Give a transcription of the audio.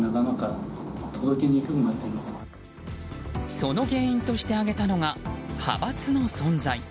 その原因として挙げたのが派閥の存在。